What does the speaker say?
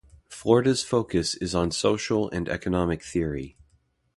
Florida's focus is on social and economic theory.